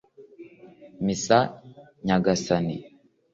misa, nyagasani